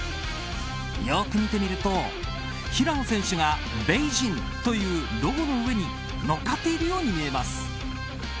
よく見てみると平野選手がＢＥＩＪＩＮＧというロゴの上に乗っかっているように見えます。